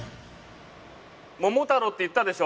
桃太郎って言ったでしょ？